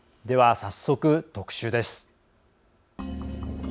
では、早速、特集です。